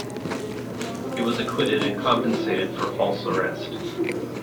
He was acquitted and compensated for false arrest.